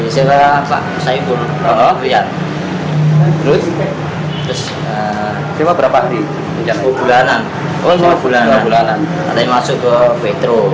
sejak dua bulan lalu katanya masuk ke petro